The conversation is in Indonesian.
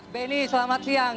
benny selamat siang